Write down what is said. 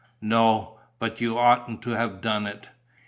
"No ... but you oughtn't to have done it."